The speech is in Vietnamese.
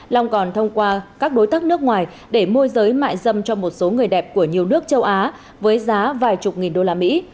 long còn thông qua các đối tác nước ngoài để môi giới mại rầm cho một số người đẹp của nhiều nước châu á với giá vài chục nghìn usd